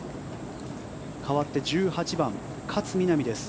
かわって１８番、勝みなみです。